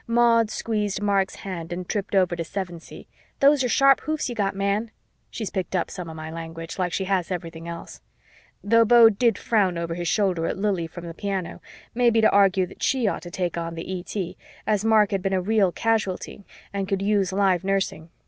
Maud squeezed Mark's hand and tripped over to Sevensee ("Those are sharp hoofs you got, man" she's picked up some of my language, like she has everything else), though Beau did frown over his shoulder at Lili from the piano, maybe to argue that she ought to take on the ET, as Mark had been a real casualty and could use live nursing.